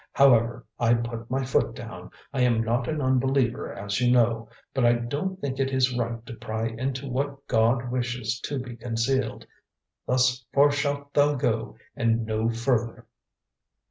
However, I put my foot down. I am not an unbeliever, as you know, but I don't think it is right to pry into what God wishes to be concealed. 'Thus far shalt thou go and no further!'"